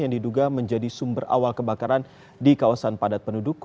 yang diduga menjadi sumber awal kebakaran di kawasan padat penduduk